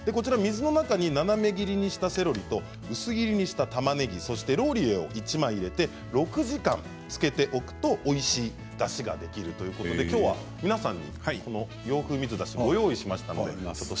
水の中に斜め切りにしたセロリと薄切りにしたたまねぎそしてローリエを１枚入れて６時間つけておくとおいしいだしができるということできょうは皆さんに洋風水だしをご用意しました。